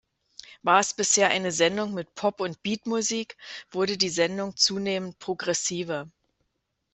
War es bisher eine Sendung mit Pop und Beatmusik, wurde die Sendung zunehmend progressiver.